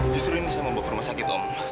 disuruh ini saya mau ke rumah sakit om